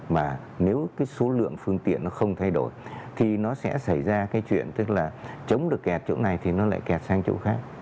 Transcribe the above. mà nếu cái số lượng phương tiện nó không thay đổi thì nó sẽ xảy ra cái chuyện tức là chống được kẹt chỗ này thì nó lại kẹt sang chỗ khác